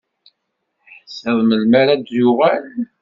Teḥṣiḍ melmi ara d-yuɣal?